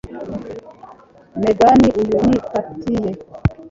Megan, uyu ni Katie.